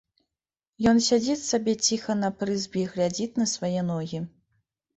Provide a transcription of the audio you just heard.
Ён сядзіць сабе ціха на прызбе і глядзіць на свае ногі.